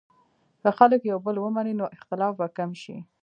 که خلک یو بل ومني، نو اختلاف به کم شي.